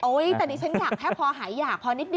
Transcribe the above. โอ๊ยแต่นี่ฉันอยากให้พอหายากพอนิดหน่อย